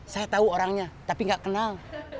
saya tahu orangnya tapi nggak kenal